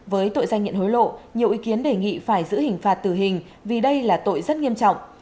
với tội danh nhận hối lộ nhiều ý kiến đề nghị phải giữ hình phạt tử hình vì đây là tội rất nghiêm trọng